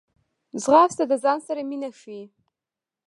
ځغاسته د ځان سره مینه ښيي